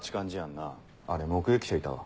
なあれ目撃者いたわ。